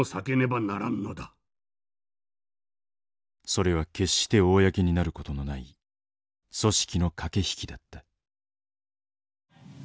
それは決して公になることのない組織の駆け引きだった。